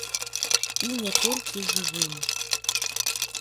І не толькі жывым.